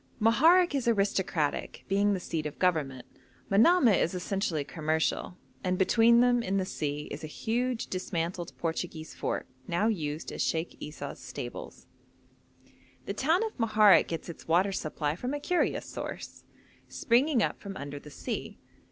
Moharek is aristocratic, being the seat of government; Manamah is essentially commercial, and between them in the sea is a huge dismantled Portuguese fort, now used as Sheikh Esau's stables. The town of Moharek gets its water supply from a curious source, springing up from under the sea.